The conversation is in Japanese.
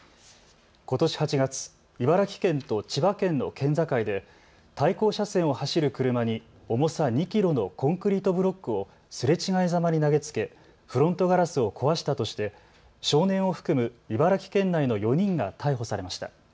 ことし８月、茨城県と千葉県の県境で対向車線を走る車に重さ２キロのコンクリートブロックをすれ違いざまに投げつけフロントガラスを壊したとして少年を含む茨城県内の４人が逮捕されました。